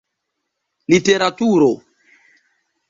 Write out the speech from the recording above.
literaturo